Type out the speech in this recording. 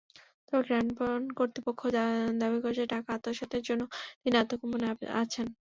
তবে গ্রামীণফোন কর্তৃপক্ষ দাবি করেছে, টাকা আত্মসাতের জন্য তিনি আত্মগোপনে আছেন।